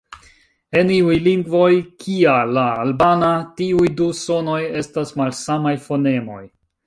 En iuj lingvoj, kia la albana, tiuj du sonoj estas malsamaj fonemoj.